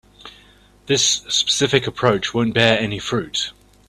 This specific approach won't bear any fruit.